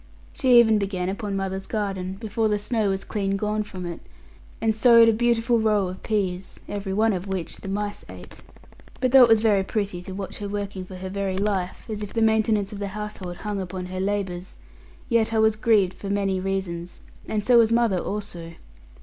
She even began upon mother's garden before the snow was clean gone from it, and sowed a beautiful row of peas, every one of which the mice ate. But though it was very pretty to watch her working for her very life, as if the maintenance of the household hung upon her labours, yet I was grieved for many reasons, and so was mother also.